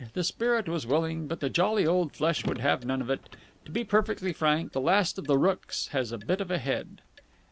"The spirit was willing, but the jolly old flesh would have none of it. To be perfectly frank, the Last of the Rookes has a bit of a head."